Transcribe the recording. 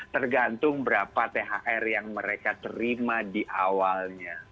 tergantung berapa thr yang mereka terima di awalnya